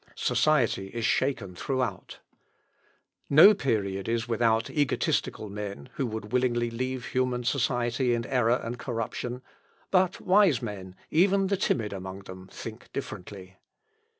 Society is shaken throughout. No period is without egotistical men, who would willingly leave human society in error and corruption, but wise men, even the timid among them, think differently.